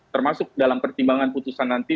termasuk dalam pertimbangan putusan nanti